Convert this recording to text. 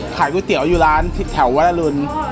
ขายกูติเอาอยู่ที่ร้านแถววรรลุน